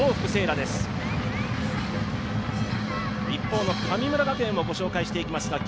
一方の神村学園もご紹介していきます。